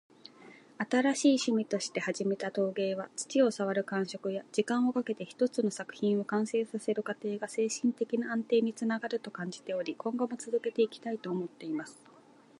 「新しい趣味として始めた陶芸は、土を触る感覚や、時間をかけて一つの作品を完成させる過程が精神的な安定につながると感じており、今後も続けていきたいと思っています。」